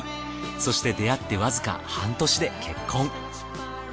そして出会ってわずか半年で結婚。